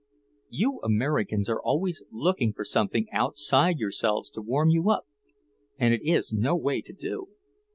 "You Americans are always looking for something outside yourselves to warm you up, and it is no way to do.